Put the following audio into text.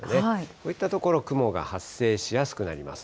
こういった所、雲が発生しやすくなります。